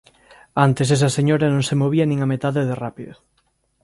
Antes esa señora non se movía nin a metade de rápido.